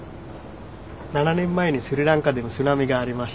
７年前にスリランカでも津波がありました。